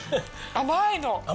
甘いの！